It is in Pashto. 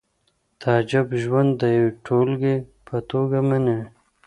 تعجب ژوند د یوې ټولګې په توګه مني